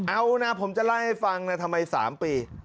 เอานะผมจะเล่าให้ฟังนะทำไม๓ปี